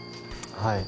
はい。